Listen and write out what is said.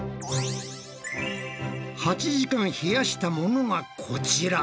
８時間冷やしたものがこちら。